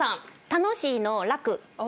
「楽しい」の。